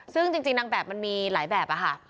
ซึ่งจริงนางแบบมันมีหลายแบบค่ะ